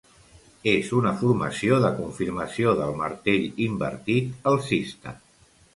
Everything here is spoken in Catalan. És una formació de confirmació del martell invertit alcista.